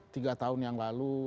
tiga tahun yang lalu